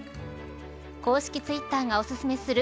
公式ツイッターがお薦めする